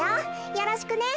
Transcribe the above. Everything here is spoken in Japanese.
よろしくね。